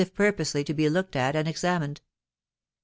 purposely to be looked at and examined.